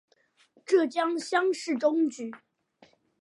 浙江乡试中举。